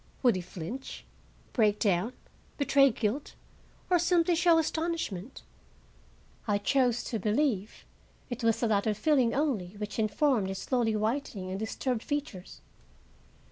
Would he flinch, break down, betray guilt, or simply show astonishment? I chose to believe it was the latter feeling only which informed his slowly whitening and disturbed features.